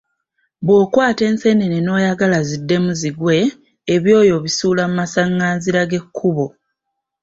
Bw’okwata eseenene n’oyagala ziddemu zigwe ebyoya obisuula mu masanganzira g’ekkubo.